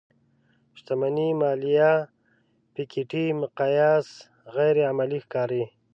شتمنۍ ماليه پيکيټي مقیاس غیر عملي ښکاري.